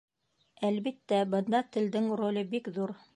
Әлбиттә, бында телдең роле бик ҙур.